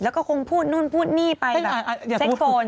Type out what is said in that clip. แล้วก็คงพูดนู่นพูดนี่ไปแบบเซ็ตโฟน